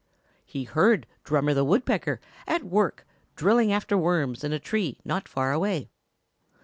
He heard Drummer the Woodpecker at work drilling after worms in a tree not far away.